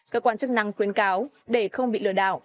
cơ quan chức năng khuyến cáo để không bị lừa đảo